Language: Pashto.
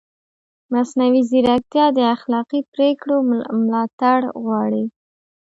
مصنوعي ځیرکتیا د اخلاقي پرېکړو ملاتړ غواړي.